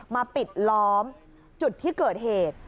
ปิดล้อมจุดที่เกิดเหตุ